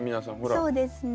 そうですね。